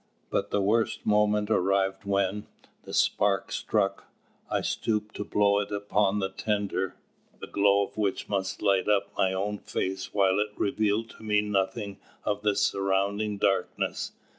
But the worst moment arrived when, the spark struck, I stooped to blow it upon the tinder, the glow of which must light up my own face while it revealed to me nothing of the surrounding darkness.